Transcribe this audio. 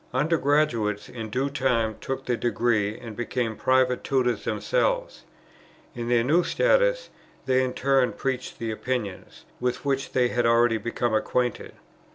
Under graduates in due time took their degree, and became private tutors themselves. In their new status, they in turn preached the opinions, with which they had already become acquainted.